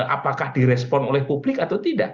apakah direspon oleh publik atau tidak